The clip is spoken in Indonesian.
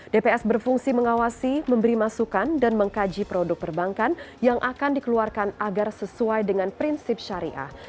dps berfungsi mengawasi memberi masukan dan mengkaji produk perbankan yang akan dikeluarkan agar sesuai dengan prinsip syariah